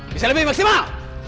bisa lebih maksimal